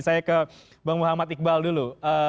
saya ke bang muhammad iqbal dulu